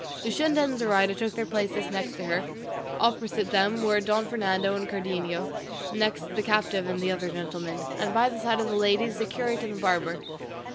Luscinda and Zoraida took their places next her, opposite to them were Don Fernando and Cardenio, and next the captive and the other gentlemen, and by the side of the ladies, the curate and the barber.